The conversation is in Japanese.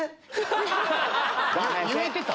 言えてた？